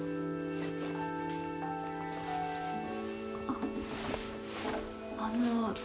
あっあの。